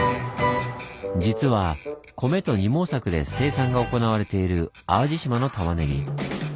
実は米と二毛作で生産が行われている淡路島のたまねぎ。